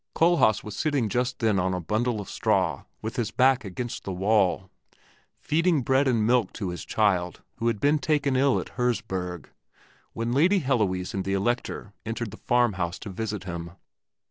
Kohlhaas was sitting just then on a bundle of straw with his back against the wall, feeding bread and milk to his child who had been taken ill at Herzberg, when Lady Heloise and the Elector entered the farm house to visit him.